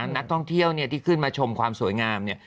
นักท่องเที่ยวที่ขึ้นมาชมความสวยงามเนี่ย